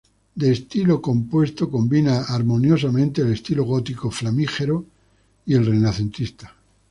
De estilo compuesto, combina armoniosamente el estilo gótico flamígero y el renacentista.